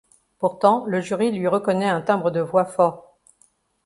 Pourtant, le jury lui reconnaît un timbre de voix fort.